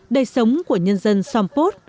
đầy sống của nhân dân sông pốt